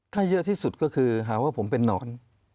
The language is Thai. ถ้าเยอะที่สุดก็คือหาว่าผมเป็นนอน